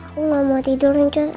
aku gak mau tidur rencana